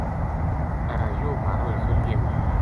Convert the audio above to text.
ارا یو ہ مہارو حصو لیے گو